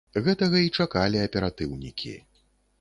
Гэтага і чакалі аператыўнікі.